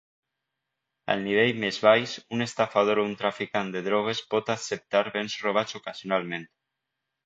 Al nivell més baix, un estafador o un traficant de drogues pot acceptar bens robats ocasionalment.